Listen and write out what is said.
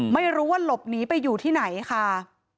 ไม่รู้ว่าหลบหนีไปอยู่ที่ไหนค่ะ